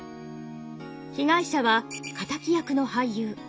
被害者は敵役の俳優。